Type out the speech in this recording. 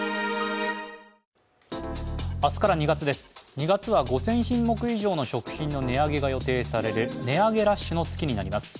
２月は５０００品目以上の食品の値上げが予定される値上げラッシュの月になります。